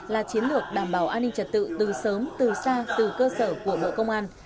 là chiến lược đảm bảo an ninh trật tự từ sớm từ xa từ cơ sở của bộ công an